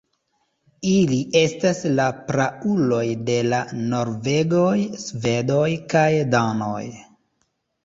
Ili estas la prauloj de la norvegoj, svedoj kaj danoj.